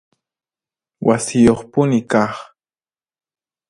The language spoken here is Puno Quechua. Wasiyuqpuni kaq